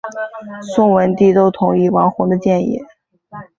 宋文帝都同意王弘的建议。